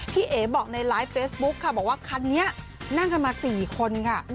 เอ๋บอกในไลฟ์เฟซบุ๊คค่ะบอกว่าคันนี้นั่งกันมา๔คนค่ะ